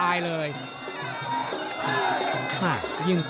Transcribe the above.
ฝ่ายทั้งเมืองนี้มันตีโต้หรืออีโต้